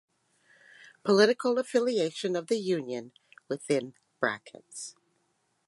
Political affiliation of the union within brackets.